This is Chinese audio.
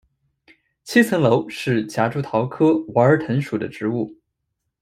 七层楼是夹竹桃科娃儿藤属的植物。